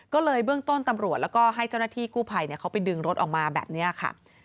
ก็เลยเบื้องต้นตำรวจแล้วก็ให้เจ้าหน้าที่กู้ภัยเขาไปดึงรถออกมาแบบนี้ค่ะ